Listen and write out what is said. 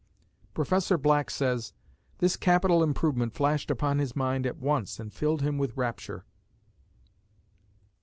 Professor Black says, "This capital improvement flashed upon his mind at once and filled him with rapture."